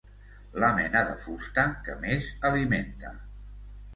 La mena de fusta que més alimenta.